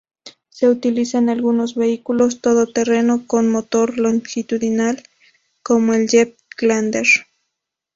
Se utilizan en algunos vehículos todo terreno con motor longitudinal como el Jeep Wrangler.